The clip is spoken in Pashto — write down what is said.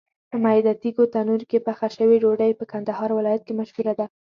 په میده تېږو تنور کې پخه شوې ډوډۍ په کندهار ولایت کې مشهوره ده.